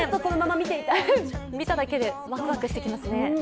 見ただけでワクワクしてきますね。